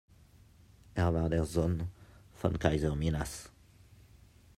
Er war der Sohn von Kaiser Minas.